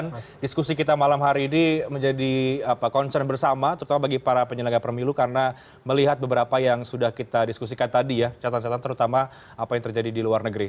kemudian diskusi kita malam hari ini menjadi concern bersama terutama bagi para penyelenggara pemilu karena melihat beberapa yang sudah kita diskusikan tadi ya catatan catatan terutama apa yang terjadi di luar negeri